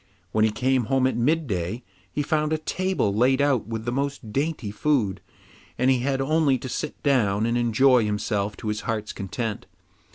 When he came home at midday, he found a table laid out with the most dainty food, and he had only to sit down and enjoy himself to his heart's content.